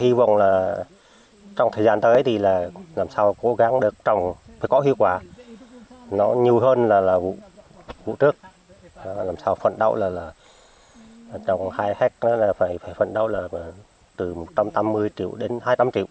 hy vọng là trong thời gian tới thì làm sao cố gắng được trồng phải có hiệu quả nó nhiều hơn là vụ trước làm sao phận đạo là trồng hai hectare là phải phận đạo là từ một trăm tám mươi triệu đến hai trăm linh triệu